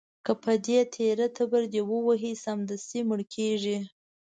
که په دې تېره تبر دې وواهه، سمدستي مړ کېږي.